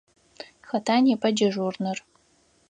Хэта непэ дежурнэр?